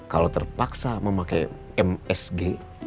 kalau terpaksa memakai msg